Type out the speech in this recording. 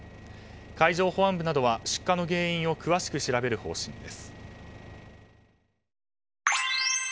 海上保安部などは出火の原因を詳しく調べる方針です。